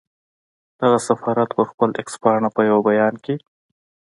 دغه سفارت پر خپله اېکس پاڼه په یو بیان کې